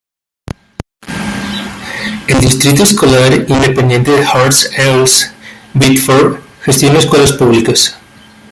El Distrito Escolar Independiente de Hurst-Euless-Bedford gestiona escuelas públicas.